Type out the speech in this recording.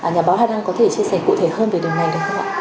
nhà báo hà đăng có thể chia sẻ cụ thể hơn về điều này được không ạ